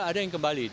ada yang kembali